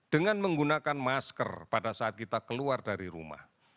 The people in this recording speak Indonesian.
dengan menggunakan masker pada saat kita keluar dari rumah